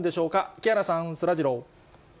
木原さん、そらジロー。